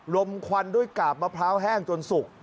ควันด้วยกาบมะพร้าวแห้งจนสุก